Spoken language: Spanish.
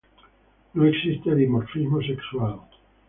No existe dimorfismo sexual.